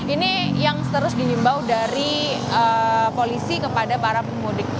ini yang terus dihimbau dari polisi kepada para pemudik